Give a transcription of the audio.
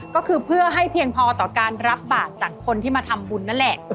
ก็คือเพื่อให้เพียงพอต่อการรับบาทจากคนที่มาทำบุญนั่นแหละ